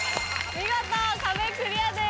見事壁クリアです。